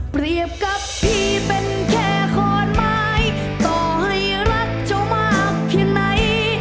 กับพี่เป็นแค่ขอนไม้ต่อให้รักเจ้ามากเพียงไหน